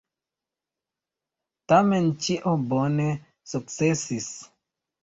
Tamen ĉio bone sukcesis.